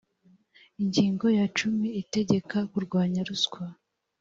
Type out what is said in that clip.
ingingo ya cumi itegeka kurwanya ruswa